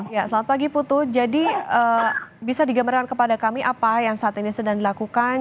ya selamat pagi putu jadi bisa digambarkan kepada kami apa yang saat ini sedang dilakukan